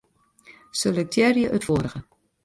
Selektearje it foarige.